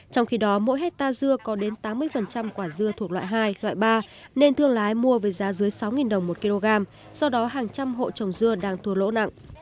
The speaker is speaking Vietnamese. trong khi đó mỗi hectare dưa có đến tám mươi quả dưa thuộc loại hai loại ba nên thương lái mua với giá dưới sáu đồng một kg do đó hàng trăm hộ trồng dưa đang thua lỗ nặng